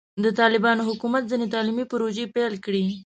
د طالبانو حکومت ځینې تعلیمي پروژې پیل کړي.